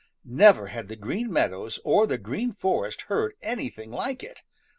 Never had the Green Meadows or the Green Forest heard anything like it.